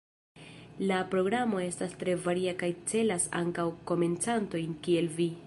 La programo estas tre varia kaj celas ankaŭ komencantojn kiel vi.